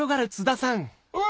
うわ！